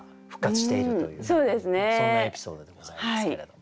そんなエピソードでございますけれども。